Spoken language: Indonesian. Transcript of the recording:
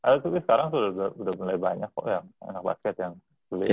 tapi sekarang sudah mulai banyak kok ya anak basket yang kuliah